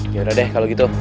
ya udah deh kalau gitu